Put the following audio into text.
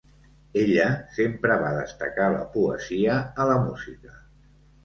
Ella sempre va destacar la poesia a la música.